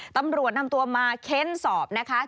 ตำรวจนำตัวมาเค้นสอบนะคะ